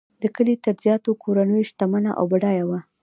د کلي تر زیاتو کورنیو شتمنه او بډایه وه.